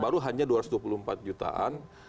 baru hanya dua ratus dua puluh empat jutaan